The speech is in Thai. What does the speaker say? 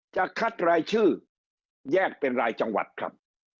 จะคัดรายชื่อแยกเป็นรายจังหวัดครับ